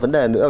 vấn đề nữa